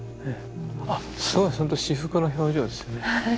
あっすごいほんと至福の表情ですよね。